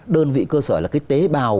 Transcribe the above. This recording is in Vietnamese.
đơn vị cơ sở là tế bào